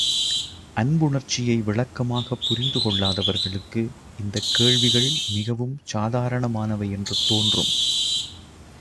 அன்புணர்ச்சியை விளக்கமாகப் புரிந்து கொள்ளாதவர்களுக்கு இந்தக் கேள்விகள் மிகவும் சாதாரணமானவை என்று தோன்றும்.